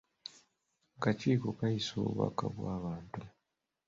Akakiiko kaayisa obubaka bw'abantu.